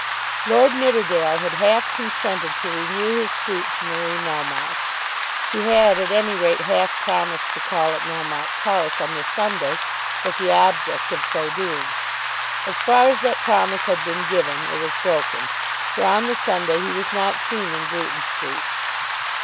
Lord Nidderdale had half consented to renew his suit to Marie Melmotte. He had at any rate half promised to call at Melmotte's house on the Sunday with the object of so doing. As far as that promise had been given it was broken, for on the Sunday he was not seen in Bruton Street.